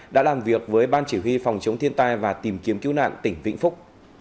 đã làm việc với ban chỉ huy phòng chống thiên tai và tìm kiếm cứu nạn tỉnh vĩnh phúc